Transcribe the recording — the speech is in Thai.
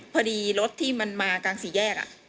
พอดีรถที่มันมากลางสี่แยก